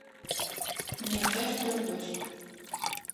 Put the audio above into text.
Непэ щтыргъукӏ.